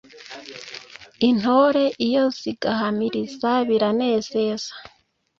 Intore iyo zigahamiriza biranezeza